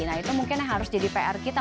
nah itu mungkin yang harus jadi pr kita